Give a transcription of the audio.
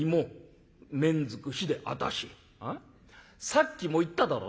さっきも言っただろ？